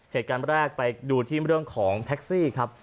เหตุการณ์แรกไปดูที่เรื่องของแท็กซี่ครับ